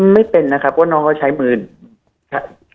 ไม่เป็นนะครับเพราะน้องเขาใช้มือครับ